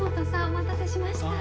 お待たせしました。